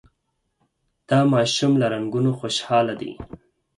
دا ماشوم له رنګونو خوشحاله دی.